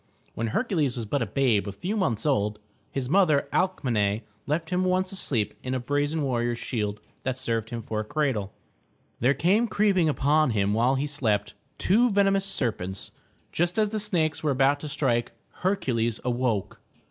When Hercules was but a babe a few months old, his mother, Alc me'ne, left him once asleep in a brazen warrior's shield that served him for a cradle. There came creeping upon him while he slept, two venemous serpents. Just as the snakes were about to strike, Hercules awoke.